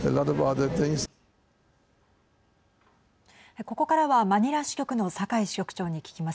ここからはマニラ支局の酒井支局長に聞きます。